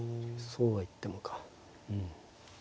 そうは言ってもか。